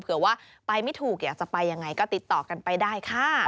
เผื่อว่าไปไม่ถูกอยากจะไปยังไงก็ติดต่อกันไปได้ค่ะ